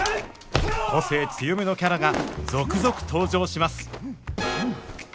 個性強めのキャラが続々登場します